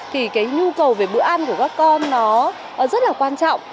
thì cái nhu cầu về bữa ăn của các con nó rất là quan trọng